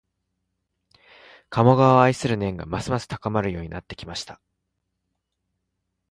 鴨川を愛する念がますます高まるようになってきました